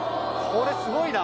これすごいな。